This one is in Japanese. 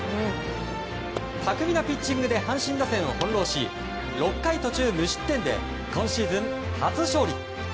巧みなピッチングで阪神打線を翻弄し６回途中無失点で今シーズン初勝利。